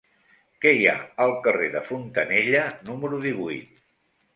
Què hi ha al carrer de Fontanella número divuit?